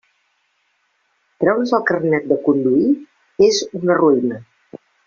Treure's el carnet de conduir és una ruïna.